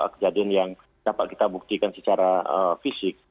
kejadian yang dapat kita buktikan secara fisik